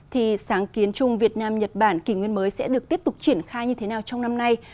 thì sáng kiến chung việt nam nhật bản kỷ nguyên mới sẽ được tiếp tục triển khai như thế nào trong năm nay